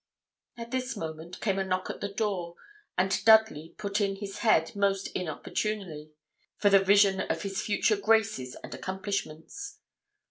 At this moment came a knock at the door, and Dudley put in his head most inopportunely for the vision of his future graces and accomplishments.